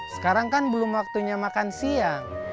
sekarang kan belum waktunya makan siang